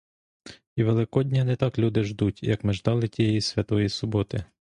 І великодня не так люди ждуть, як ми ждали тієї святої суботи.